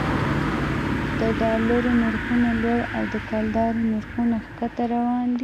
د ډالرو نرخونه لوړ او د کلدارو نرخونه ښکته روان دي